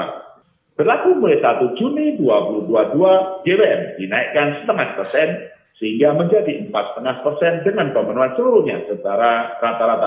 berlaku mulai satu juni dua ribu dua puluh dua direm dinaikkan setengah persen sehingga menjadi empat lima persen dengan pemenuhan seluruhnya secara rata rata